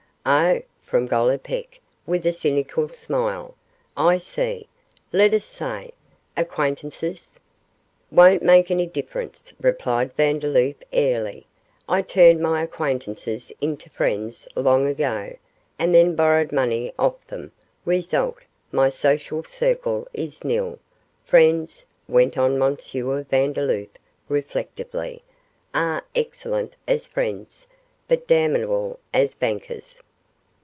'Oh!' from Gollipeck, with a cynical smile, 'I see; let us say acquaintances.' 'Won't make any difference,' replied Vandeloup, airily; 'I turned my acquaintances into friends long ago, and then borrowed money off them; result: my social circle is nil. Friends,' went on M. Vandeloup, reflectively, 'are excellent as friends, but damnable as bankers.